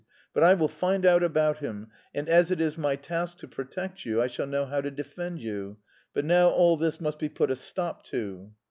But I will find out about him, and as it is my task to protect you, I shall know how to defend you. But now all this must be put a stop to."